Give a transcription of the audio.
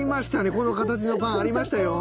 この形のパンありましたよ。